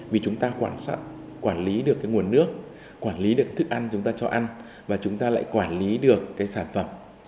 vì chúng ta quản lý được cái nguồn nước quản lý được cái thức ăn chúng ta cho ăn và chúng ta lại quản lý được cái sản phẩm